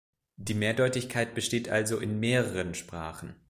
Die Mehrdeutigkeit besteht also in mehreren Sprachen.